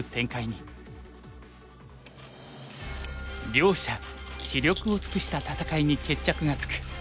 両者死力を尽くした戦いに決着がつく。